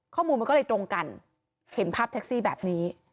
ข้อมูลมันก็เลยตรงกันเห็นภาพแท็กซี่แบบนี้